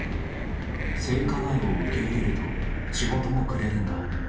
性加害を受け入れると仕事もくれるんだ。